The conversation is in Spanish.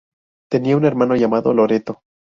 Tenía un hermano llamado Loreto.